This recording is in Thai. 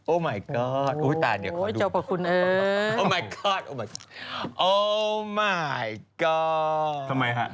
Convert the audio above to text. โอ้มายก็อดโอ้ตาเดี๋ยวขอดูโอ้มายก็อดโอ้มายก็อดทำไมฮะ